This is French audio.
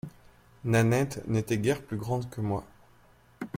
Nanette n’était guère plus grande que moi.